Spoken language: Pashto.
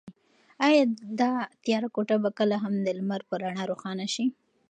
ایا دا تیاره کوټه به کله هم د لمر په رڼا روښانه شي؟